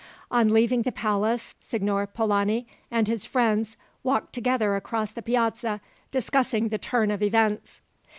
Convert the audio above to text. On leaving the palace, Signor Polani and his friends walked together across the Piazza, discussing the turn of events.